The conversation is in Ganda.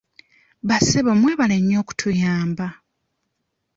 Bassebo mwebale nnyo okutuyamba.